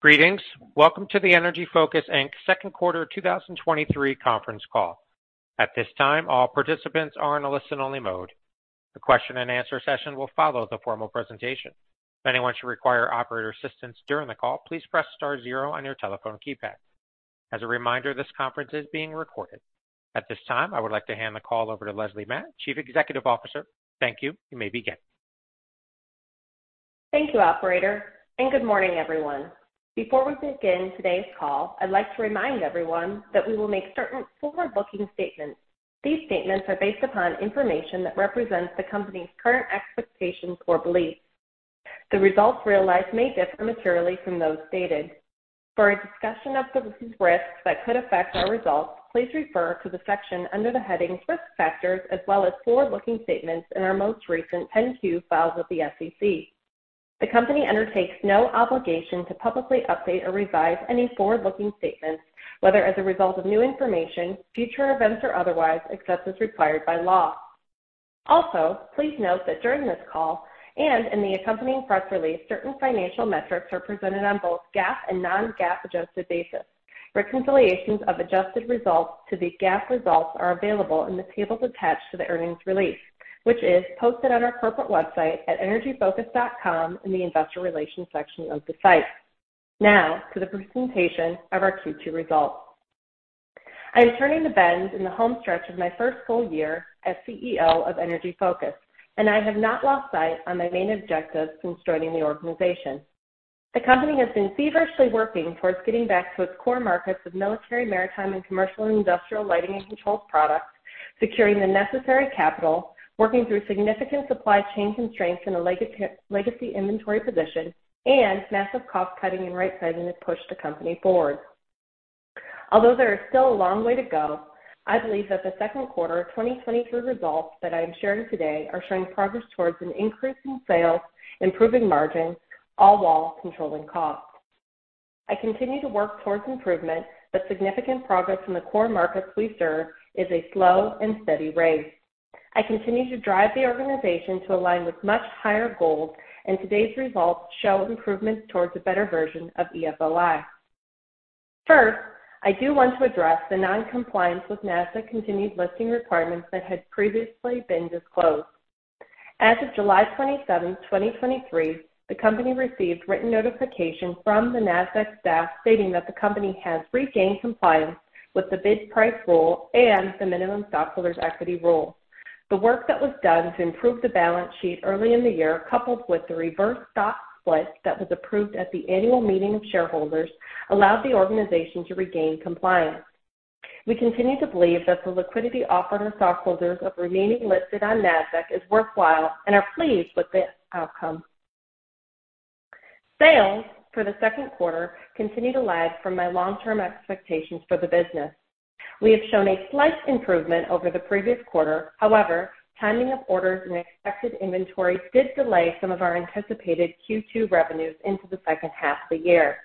Greetings. Welcome to the Energy Focus, Inc.'s second quarter 2023 conference call. At this time, all participants are in a listen-only mode. The question and answer session will follow the formal presentation. If anyone should require operator assistance during the call, please press star zero on your telephone keypad. As a reminder, this conference is being recorded. At this time, I would like to hand the call over to Lesley Matt, Chief Executive Officer. Thank you. You may begin. Thank you, operator, and good morning, everyone. Before we begin today's call, I'd like to remind everyone that we will make certain forward-looking statements. These statements are based upon information that represents the company's current expectations or beliefs. The results realized may differ materially from those stated. For a discussion of the risks that could affect our results, please refer to the section under the heading Risk Factors as well as forward-looking statements in our most recent 10-Q filed with the SEC. The company undertakes no obligation to publicly update or revise any forward-looking statements, whether as a result of new information, future events, or otherwise, except as required by law. Also, please note that during this call and in the accompanying press release, certain financial metrics are presented on both GAAP and non-GAAP adjusted basis. Reconciliations of adjusted results to the GAAP results are available in the tables attached to the earnings release, which is posted on our corporate website at energyfocus.com in the Investor Relations section of the site. Now, to the presentation of our Q2 results. I am turning the bend in the home stretch of my first full year as CEO of Energy Focus, and I have not lost sight on my main objective since joining the organization. The company has been feverishly working towards getting back to its core markets of military, maritime, and commercial and industrial lighting and controls products, securing the necessary capital, working through significant supply chain constraints in a legacy inventory position, and massive cost-cutting and rightsizing to push the company forward. Although there is still a long way to go, I believe that the second quarter of 2023 results that I am sharing today are showing progress towards an increase in sales, improving margins, all while controlling costs. I continue to work towards improvement, but significant progress in the core markets we serve is a slow and steady race. I continue to drive the organization to align with much higher goals, and today's results show improvement towards a better version of EFOI. First, I do want to address the non-compliance with Nasdaq continued listing requirements that had previously been disclosed. As of July 27th, 2023, the company received written notification from the Nasdaq staff stating that the company has regained compliance with the bid price rule and the minimum stockholders' equity rule. The work that was done to improve the balance sheet early in the year, coupled with the reverse stock split that was approved at the annual meeting of shareholders, allowed the organization to regain compliance. We continue to believe that the liquidity offered to stockholders of remaining listed on Nasdaq is worthwhile and are pleased with this outcome. Sales for the second quarter continue to lag from my long-term expectations for the business. We have shown a slight improvement over the previous quarter. However, timing of orders and expected inventories did delay some of our anticipated Q2 revenues into the second half of the year.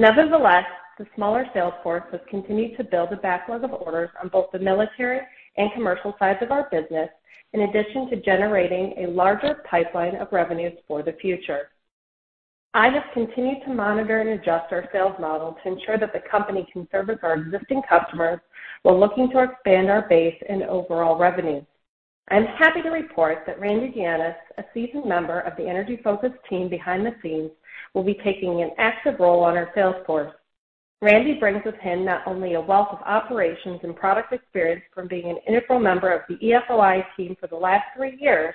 Nevertheless, the smaller sales force has continued to build a backlog of orders on both the military and commercial sides of our business, in addition to generating a larger pipeline of revenues for the future. I have continued to monitor and adjust our sales model to ensure that the company can service our existing customers while looking to expand our base and overall revenue. I'm happy to report that Randy Gianas, a seasoned member of the Energy Focus team behind the scenes, will be taking an active role on our sales force. Randy brings with him not only a wealth of operations and product experience from being an integral member of the EFOI team for the last 3 years,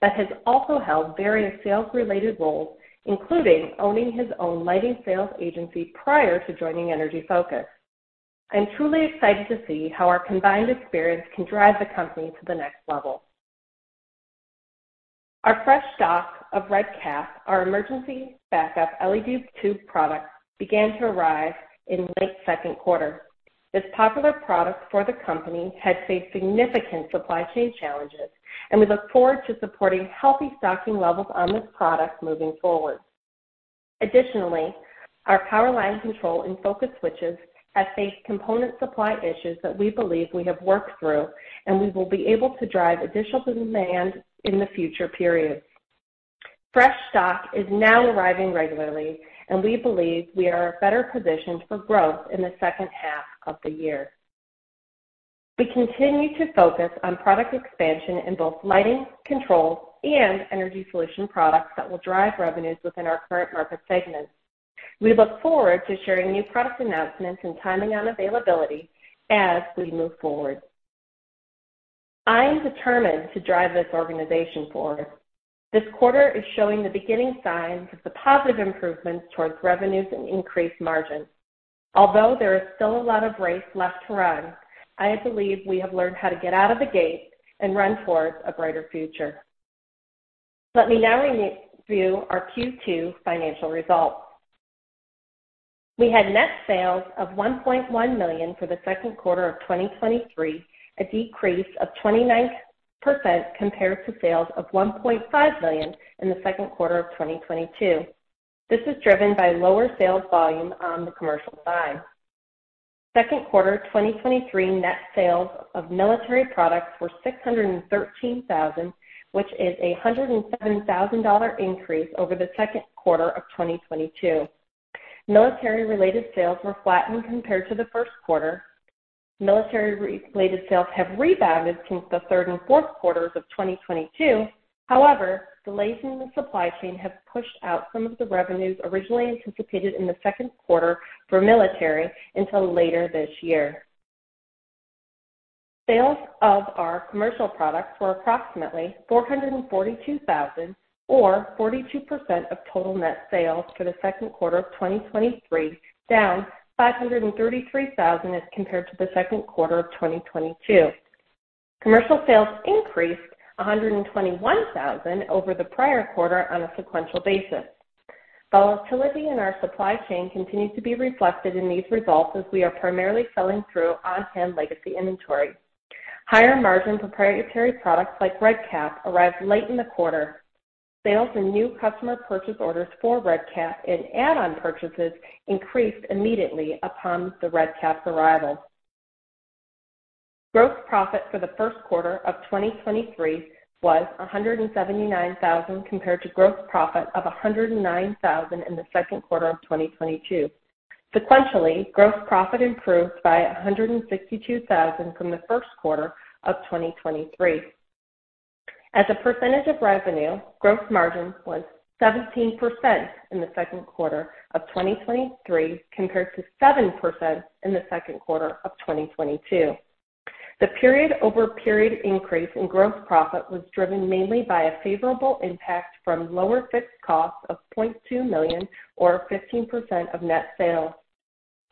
but has also held various sales-related roles, including owning his own lighting sales agency prior to joining Energy Focus. I'm truly excited to see how our combined experience can drive the company to the next level. Our fresh stock of RedCap, our emergency backup LED tube product, began to arrive in late second quarter. This popular product for the company has faced significant supply chain challenges. We look forward to supporting healthy stocking levels on this product moving forward. Additionally, our Power Line Control and nFOCUS switches have faced component supply issues that we believe we have worked through. We will be able to drive additional demand in the future periods. Fresh stock is now arriving regularly. We believe we are better positioned for growth in the second half of the year. We continue to focus on product expansion in both lighting, controls, and energy solution products that will drive revenues within our current market segments. We look forward to sharing new product announcements and timing on availability as we move forward. I am determined to drive this organization forward. This quarter is showing the beginning signs of the positive improvements towards revenues and increased margins. Although there is still a lot of race left to run, I believe we have learned how to get out of the gate and run towards a brighter future. Let me now review our Q2 financial results. We had net sales of $1.1 million for the second quarter of 2023, a decrease of 29% compared to sales of $1.5 million in the second quarter of 2022. This is driven by lower sales volume on the commercial side. Second quarter 2023 net sales of military products were $613,000, which is a $107,000 increase over the second quarter of 2022. Military-related sales were flattened compared to the first quarter. Military-related sales have rebounded since the third and fourth quarters of 2022. However, delays in the supply chain have pushed out some of the revenues originally anticipated in the second quarter for military until later this year. Sales of our commercial products were approximately $442,000 or 42% of total net sales for the second quarter of 2023, down $533,000 as compared to the second quarter of 2022. Commercial sales increased $121,000 over the prior quarter on a sequential basis. Volatility in our supply chain continues to be reflected in these results as we are primarily selling through on-hand legacy inventory. Higher margin proprietary products like RedCap arrived late in the quarter. Sales and new customer purchase orders for RedCap and add-on purchases increased immediately upon the RedCap's arrival. Gross profit for the first quarter of 2023 was $179,000, compared to gross profit of $109,000 in the second quarter of 2022. Sequentially, gross profit improved by $162,000 from the first quarter of 2023. As a percentage of revenue, gross margin was 17% in the second quarter of 2023, compared to 7% in the second quarter of 2022. The period-over-period increase in gross profit was driven mainly by a favorable impact from lower fixed costs of $0.2 million or 15% of net sales.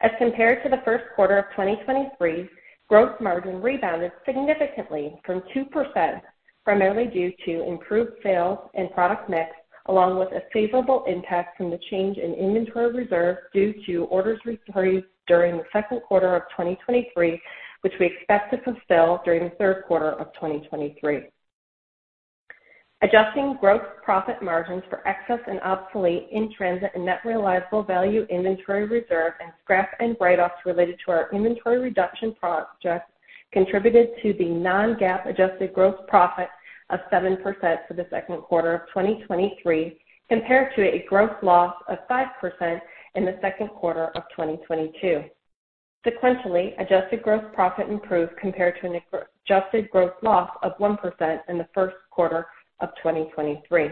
As compared to the first quarter of 2023, gross margin rebounded significantly from 2%, primarily due to improved sales and product mix, along with a favorable impact from the change in inventory reserve due to orders received during the second quarter of 2023, which we expect to fulfill during the third quarter of 2023. Adjusting gross profit margins for excess and obsolete, in-transit, and Net Realizable Value inventory reserve, and scrap and write-offs related to our inventory reduction project contributed to the non-GAAP adjusted gross profit of 7% for the second quarter of 2023, compared to a gross loss of 5% in the second quarter of 2022. Sequentially, adjusted gross profit improved compared to an adjusted gross loss of 1% in the first quarter of 2023.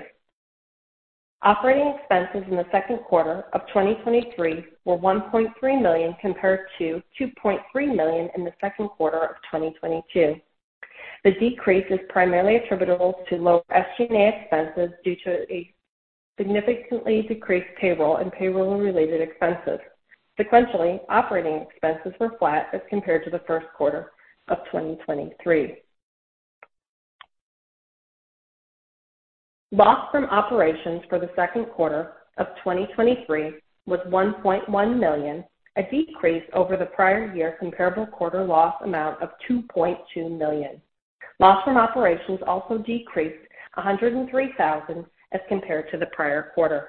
Operating expenses in the second quarter of 2023 were $1.3 million, compared to $2.3 million in the second quarter of 2022. The decrease is primarily attributable to lower SG&A expenses due to a significantly decreased payroll and payroll-related expenses. Sequentially, operating expenses were flat as compared to the first quarter of 2023. Loss from operations for the second quarter of 2023 was $1.1 million, a decrease over the prior year comparable quarter loss amount of $2.2 million. Loss from operations also decreased $103 thousand as compared to the prior quarter.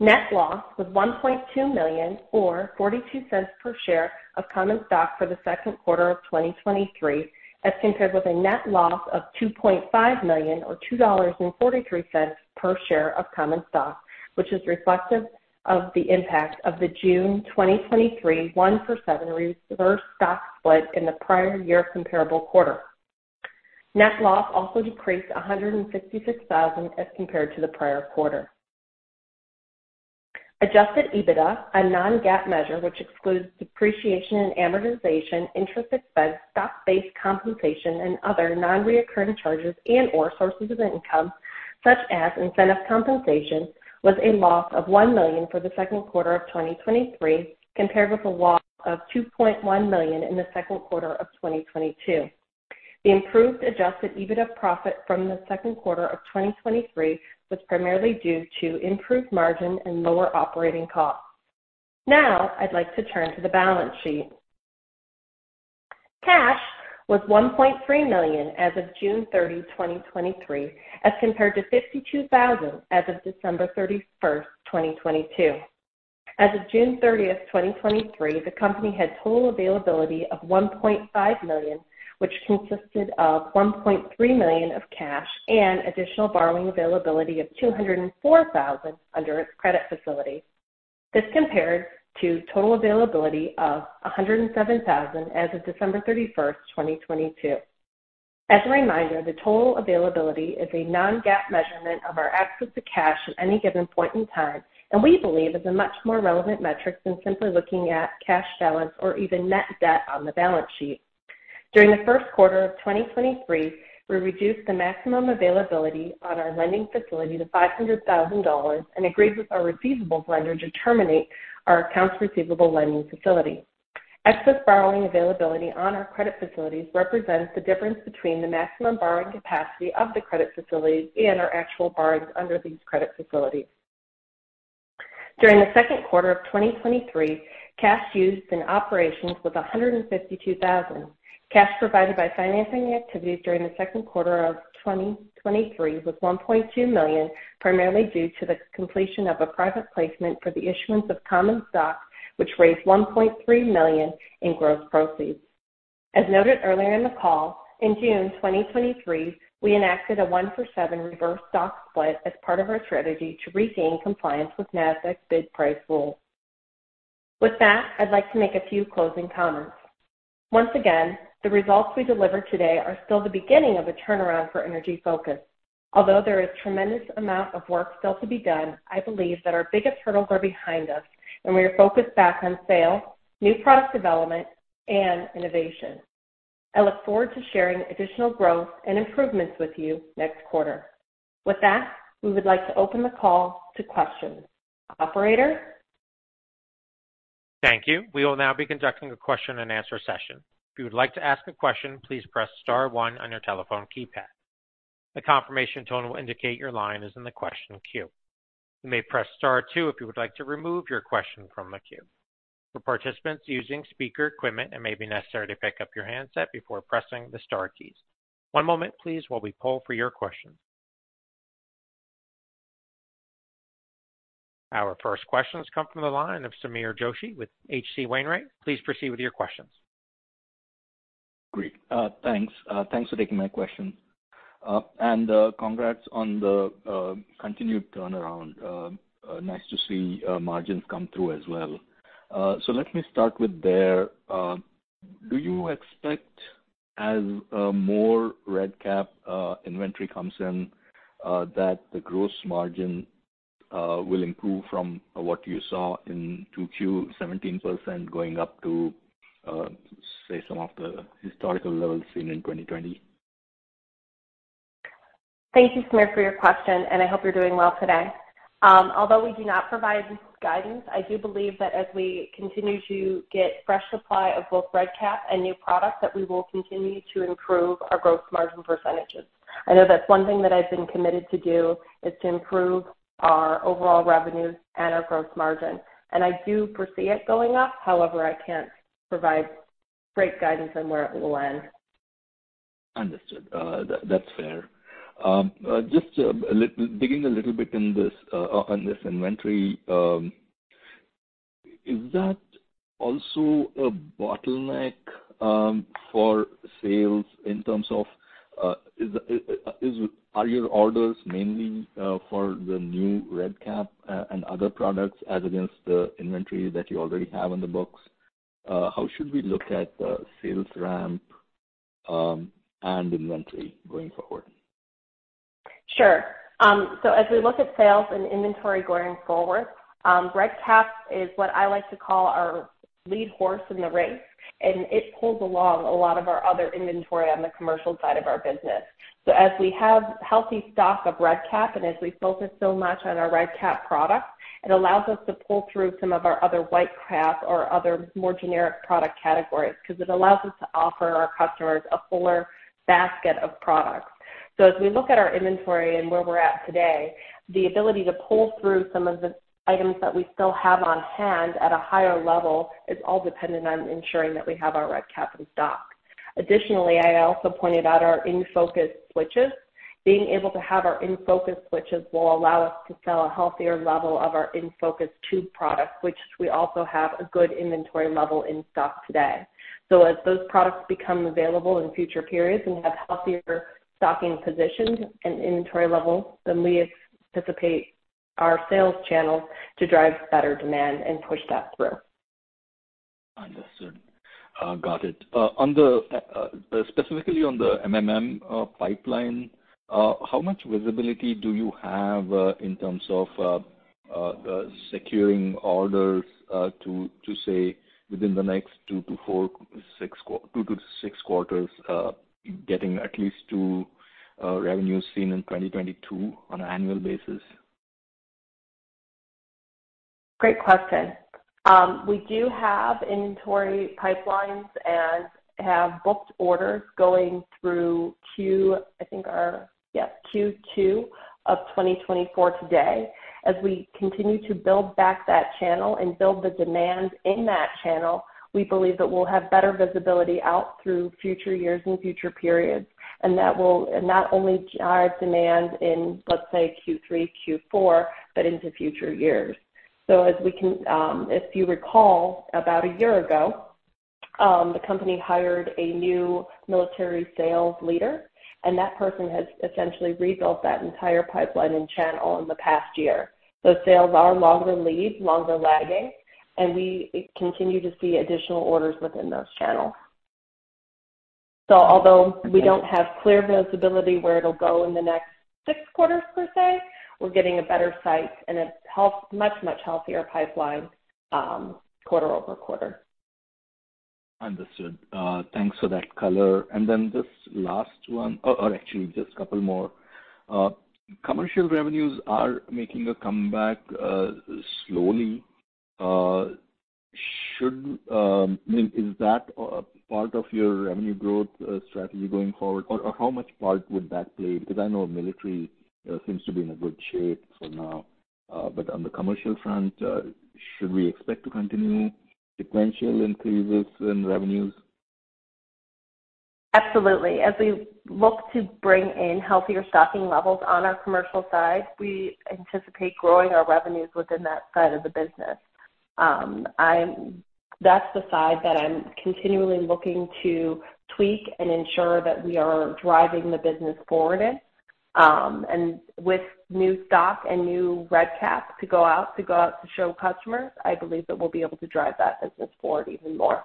Net loss was $1.2 million, or $0.42 per share of common stock for the second quarter of 2023, as compared with a net loss of $2.5 million, or $2.43 per share of common stock, which is reflective of the impact of the June 2023 1-for-7 reverse stock split in the prior year comparable quarter. Net loss also decreased $156,000 as compared to the prior quarter. Adjusted EBITDA, a non-GAAP measure, which excludes depreciation and amortization, interest expense, stock-based compensation, and other non-recurring charges and/or sources of income, such as incentive compensation, was a loss of $1 million for the second quarter of 2023, compared with a loss of $2.1 million in the second quarter of 2022. The improved Adjusted EBITDA profit from the second quarter of 2023 was primarily due to improved margin and lower operating costs. Now I'd like to turn to the balance sheet. Cash was $1.3 million as of June 30, 2023, as compared to $52,000 as of December 31, 2022. As of June 30, 2023, the company had total availability of $1.5 million, which consisted of $1.3 million of cash and additional borrowing availability of $204,000 under its credit facility. This compared to total availability of $107,000 as of December 31, 2022. As a reminder, the total availability is a non-GAAP measurement of our access to cash at any given point in time, and we believe is a much more relevant metric than simply looking at cash balance or even net debt on the balance sheet. During the first quarter of 2023, we reduced the maximum availability on our lending facility to $500,000 and agreed with our receivables lender to terminate our accounts receivable lending facility. Excess borrowing availability on our credit facilities represents the difference between the maximum borrowing capacity of the credit facilities and our actual borrowings under these credit facilities. During the second quarter of 2023, cash used in operations was $152,000. Cash provided by financing activities during the second quarter of 2023 was $1.2 million, primarily due to the completion of a private placement for the issuance of common stock, which raised $1.3 million in gross proceeds. As noted earlier in the call, in June 2023, we enacted a 1-for-7 reverse stock split as part of our strategy to regain compliance with Nasdaq's bid price rule. With that, I'd like to make a few closing comments. Once again, the results we delivered today are still the beginning of a turnaround for Energy Focus. Although there is tremendous amount of work still to be done, I believe that our biggest hurdles are behind us, and we are focused back on sales, new product development, and innovation. I look forward to sharing additional growth and improvements with you next quarter. With that, we would like to open the call to questions. Operator? Thank you. We will now be conducting a question-and-answer session. If you would like to ask a question, please press star one on your telephone keypad. A confirmation tone will indicate your line is in the question queue. You may press star two if you would like to remove your question from the queue. For participants using speaker equipment, it may be necessary to pick up your handset before pressing the star keys. One moment, please, while we poll for your questions. Our first questions come from the line of Sameer Joshi with H.C. Wainwright. Please proceed with your questions. Great. Thanks. Thanks for taking my questions. Congrats on the continued turnaround. Nice to see margins come through as well. Let me start with there. Do you expect, as more RedCap inventory comes in, that the gross margin will improve from what you saw in 2Q, 17%, going up to, say, some of the historical levels seen in 2020? Thank you, Sameer, for your question, and I hope you're doing well today. Although we do not provide guidance, I do believe that as we continue to get fresh supply of both RedCap and new products, that we will continue to improve our gross margin percentages. I know that's one thing that I've been committed to do, is to improve our overall revenues and our gross margin. I do foresee it going up. However, I can't provide great guidance on where it will end. Understood. That, that's fair. Digging a little bit in this, on this inventory, is that also a bottleneck for sales in terms of, are your orders mainly for the new RedCap and other products as against the inventory that you already have on the books? How should we look at the sales ramp and inventory going forward? Sure. As we look at sales and inventory going forward, RedCap is what I like to call our lead horse in the race, and it pulls along a lot of our other inventory on the commercial side of our business. As we have healthy stock of RedCap and as we focus so much on our RedCap product, it allows us to pull through some of our other WhiteCap or other more generic product categories, because it allows us to offer our customers a fuller basket of products. As we look at our inventory and where we're at today, the ability to pull through some of the items that we still have on hand at a higher level is all dependent on ensuring that we have our RedCap in stock. Additionally, I also pointed out our EnFocus switches. Being able to have our EnFocus switches will allow us to sell a healthier level of our EnFocus tube products, which we also have a good inventory level in stock today. As those products become available in future periods and have healthier stocking positions and inventory levels, then we anticipate our sales channels to drive better demand and push that through. Understood. Got it. On the specifically on the MMM pipeline, how much visibility do you have in terms of securing orders to, to, say, within the next 2-6 quarters, getting at least to revenues seen in 2022 on an annual basis? Great question. We do have inventory pipelines and have booked orders going through Q, I think, our... Yep, Q2 of 2024 today. As we continue to build back that channel and build the demand in that channel, we believe that we'll have better visibility out through future years and future periods, and that will not only drive demand in, let's say, Q3, Q4, but into future years. As we can, If you recall, about 1 year ago, the company hired a new military sales leader, and that person has essentially rebuilt that entire pipeline and channel in the past year. Those sales are longer leads, longer lagging, and we continue to see additional orders within those channels. Although we don't have clear visibility where it'll go in the next 6 quarters, per se, we're getting a better sight, and it's much, much healthier pipeline, quarter-over-quarter. Understood. Thanks for that color. This last one. Actually, just a couple more. Commercial revenues are making a comeback, slowly. Should, I mean, is that part of your revenue growth strategy going forward? How much part would that play? I know military seems to be in a good shape for now. On the commercial front, should we expect to continue sequential increases in revenues? Absolutely. As we look to bring in healthier stocking levels on our commercial side, we anticipate growing our revenues within that side of the business. That's the side that I'm continually looking to tweak and ensure that we are driving the business forward in. With new stock and new RedCap to go out, to go out to show customers, I believe that we'll be able to drive that business forward even more.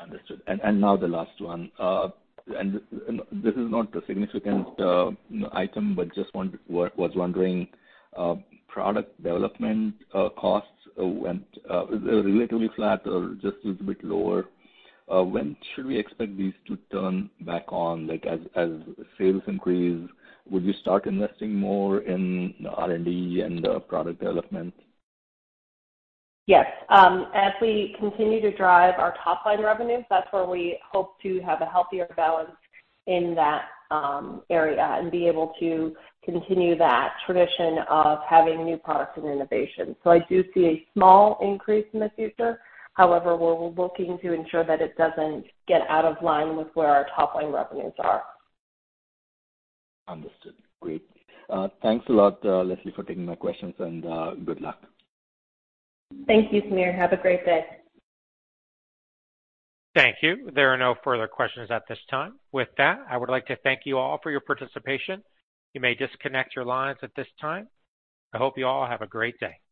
Understood. Now the last one. This, and this is not a significant item, but just was wondering, product development costs went relatively flat or just a little bit lower. When should we expect these to turn back on? Like, as sales increase, would you start investing more in R&D and product development? Yes. As we continue to drive our top-line revenues, that's where we hope to have a healthier balance in that area and be able to continue that tradition of having new products and innovation. I do see a small increase in the future. However, we're looking to ensure that it doesn't get out of line with where our top-line revenues are. Understood. Great. Thanks a lot, Lesley, for taking my questions, and good luck. Thank you, Sameer. Have a great day. Thank you. There are no further questions at this time. With that, I would like to thank you all for your participation. You may disconnect your lines at this time. I hope you all have a great day.